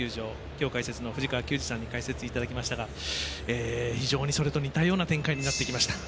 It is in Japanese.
今日、解説の藤川球児さんに解説いただきましたが非常にそれと似たような展開になってきました。